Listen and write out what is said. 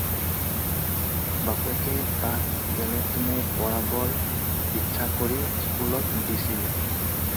বাপেকে তাক যেনে তেনে পঢ়াবৰ ইচ্ছা কৰি স্কুলত দিছিল।